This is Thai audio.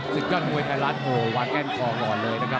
สิทธิ์ก้อนมวยไทรลัทโฮวาดแก้นทองอ่อนเลยนะครับ